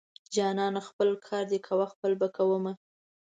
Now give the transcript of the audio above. جانانه خپل کار دې کوه خپل به کوومه.